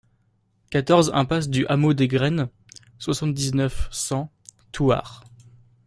quatorze impasse du Hameau des Graines, soixante-dix-neuf, cent, Thouars